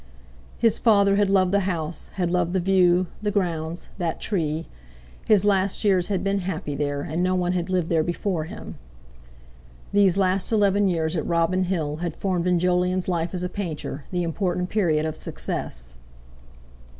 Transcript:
His father had loved the house, had loved the view, the grounds, that tree; his last years had been happy there, and no one had lived there before him. These last eleven years at Robin Hill had formed in Jolyon's life as a painter, the important period of success.